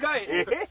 えっ？